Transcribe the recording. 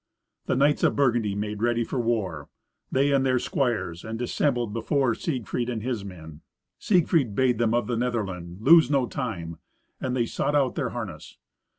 The knights of Burgundy made ready for war, they and their squires, and dissembled before Siegfried and his men. Siegfried bade them of the Netherland lose no time, and they sought out their harness.